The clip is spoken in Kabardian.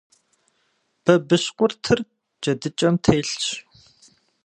Бабыщкъуртыр джэдыкӏэм телъщ.